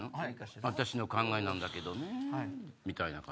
「わたしの考えなんだけどねぇ」みたいな感じ。